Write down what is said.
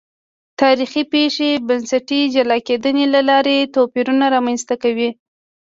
تاریخي پېښې بنسټي جلا کېدنې له لارې توپیرونه رامنځته کوي.